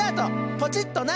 ポチッとな！